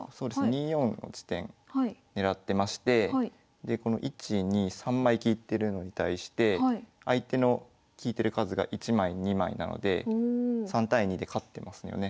２四の地点狙ってましてでこの１２３枚利いてるのに対して相手の利いてる数が１枚２枚なので３対２で勝ってますよね。